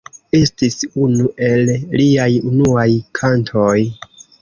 Estis unu el liaj unuaj kantoj.